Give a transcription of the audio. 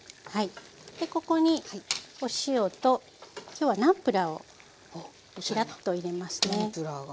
でここにお塩と今日はナムプラーをひらっと入れますね。